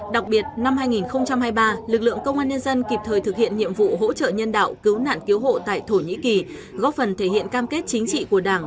đặc biệt năm hai nghìn hai mươi ba lực lượng công an nhân dân kịp thời thực hiện nhiệm vụ hỗ trợ nhân đạo cứu nạn cứu hộ tại thổ nhĩ kỳ góp phần thể hiện cam kết chính trị của đảng